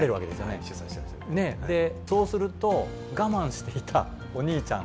そうすると我慢していたお兄ちゃん